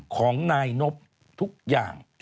ของนายนบทุกอย่าง